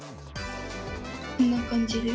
こんな感じです。